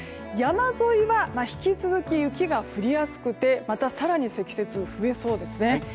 山沿いは引き続き、雪が降りやすくて更に積雪増えそうです。